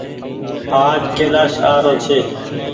آج ڪيلآش آ رو ڇي۔